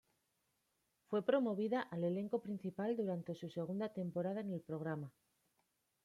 Fue promovida al elenco principal durante su segunda temporada en el programa.